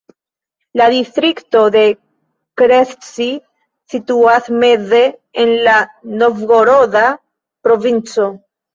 La distrikto de Krestci situas meze en la Novgoroda provinco.